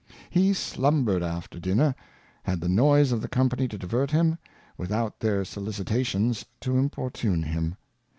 He slumbered after Dinner, had the noise of the Company to divert him, without their Solicitations to importune him.